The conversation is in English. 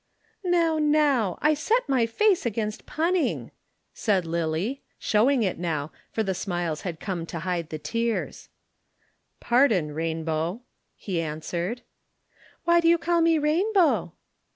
"Now, now! I set my face against punning!" said Lillie, showing it now, for the smiles had come to hide the tears. "Pardon, Rainbow," he answered. "Why do you call me Rainbow?"